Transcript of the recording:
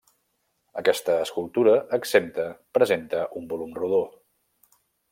Aquesta escultura exempta presenta un volum rodó.